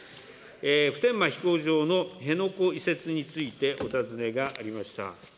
普天間飛行場の辺野古移設についてお尋ねがありました。